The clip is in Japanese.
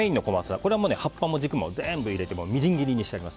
これは葉っぱも軸も全部入れてみじん切りにしてあります。